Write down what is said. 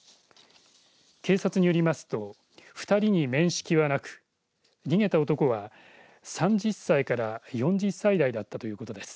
警察によりますと２人に面識はなく逃げた男は３０歳から４０歳代だったということです。